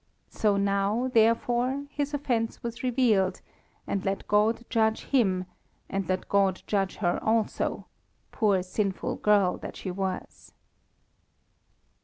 So now, therefore, his offence was revealed, and let God judge him and let God judge her also, poor sinful girl that she was.